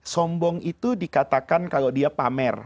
sombong itu dikatakan kalau dia pamer